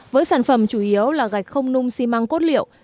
với sản phẩm chủ yếu là gạch không nung xi măng cốt liệu